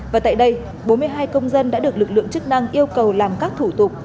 và tại đây bốn mươi hai công dân đã được lực lượng chức năng yêu cầu làm các thủ tục